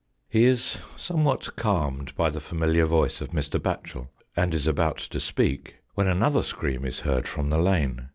He is somewhat calmed by the familiar voice of Mr. Batchel, and is about to speak, when another scream is heard from the lane.